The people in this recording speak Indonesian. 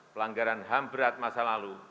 pelanggaran ham berat masa lalu